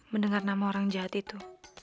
mendengar nama orang jahat itu